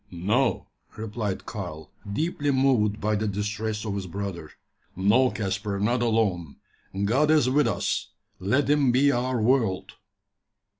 "No," replied Karl, deeply moved by the distress of his brother, "no, Caspar, not alone God is with us. Let Him be our world."